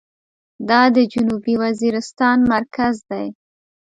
دا د جنوبي وزيرستان مرکز دى.